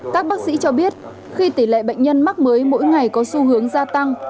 các bác sĩ cho biết khi tỷ lệ bệnh nhân mắc mới mỗi ngày có xu hướng gia tăng